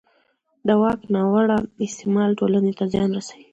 د واک ناوړه استعمال ټولنې ته زیان رسوي